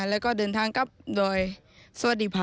แล้วก็เดินทางกลับโดยสวัสดีค่ะ